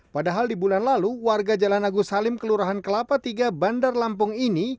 padahal di bulan lalu warga jalan agus halim kelurahan kelapa iii bandar lampung ini